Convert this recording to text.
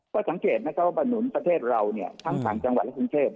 ถ้าจังเกตนะครับว่าบรรหนุนประเทศเราเนี่ยทั้งฝั่งจังหวัดและสุนเชฟ